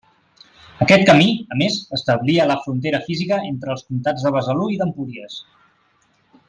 Aquest camí, a més, establia la frontera física entre els comtats de Besalú i d'Empúries.